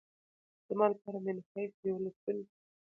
زما لپاره منحیث د یوه لوستونکي